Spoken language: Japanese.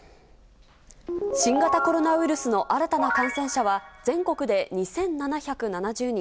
新型コロナウイルスの新たな感染者は、全国で２７７０人。